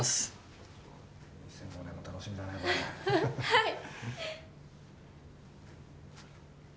はい！